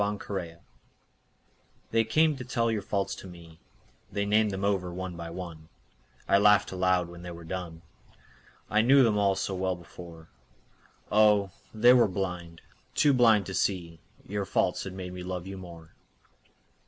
Faults They came to tell your faults to me, They named them over one by one; I laughed aloud when they were done, I knew them all so well before, Oh, they were blind, too blind to see Your faults had made me love you more.